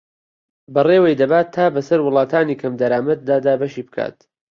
بەڕێوەی دەبات تا بەسەر وڵاتانی کەمدەرامەت دابەشی بکات